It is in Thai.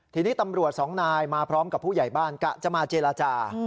ทีนี้ตำรวจสองนายมาพร้อมกับผู้ใหญ่บ้านกะจะมาเจรจา